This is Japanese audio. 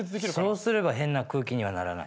そうすれば変な空気にはならない。